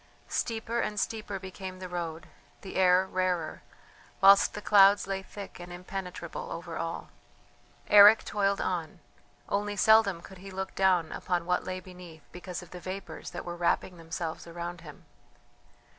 Steeper and steeper became the road, the air rarer, whilst the clouds lay thick and impenetrable over all. Eric toiled on; only seldom could he look down upon what lay beneath because of the vapours that were wrapping themselves around him.